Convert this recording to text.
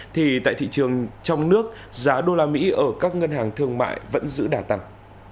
thì tại thị trường trong nước giá usd ở các ngân hàng thương mại vẫn giữ đả tăng